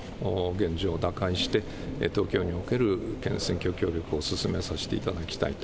現状を打開して、東京における選挙協力を進めさせていただきたいと。